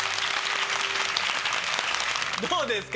どうですか？